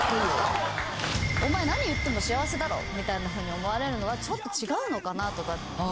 お前なに言っても幸せだろみたいなふうに思われるのはちょっと違うのかなとかって。